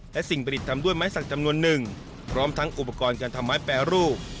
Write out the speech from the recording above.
และสิ่งผลิตทำด้วยไม้สักจำนวนหนึ่งพร้อมทั้งอุปกรณ์การทำไม้แปรรูป